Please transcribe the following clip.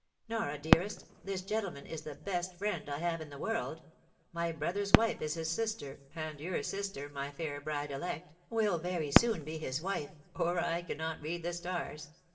Nora, dearest, this gentleman is the best friend I have in the world — my brother's wife is his sister ; and your sister, my fair bride elect, will very soon be his wife, or I cannot read the stars